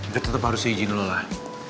gue tetep harus izin lo lah